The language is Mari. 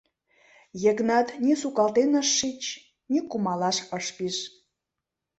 Йыгнат ни сукалтен ыш шич, ни кумалаш ыш пиж.